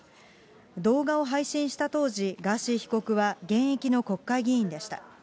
動画を配信した当時、ガーシー被告は現役の国会議員でした。